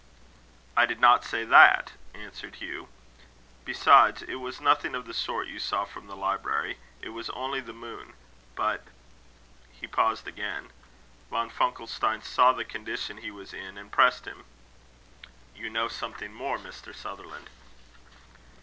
"I did not say that," answered Hugh. "Besides, it was nothing of the sort you saw from the library. It was only the moon. But " He paused again. Von Funkelstein saw the condition he was in, and pressed him. "You know something more, Mr. Sutherland."